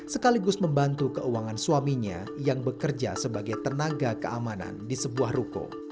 sekaligus membantu keuangan suaminya yang bekerja sebagai tenaga keamanan di sebuah ruko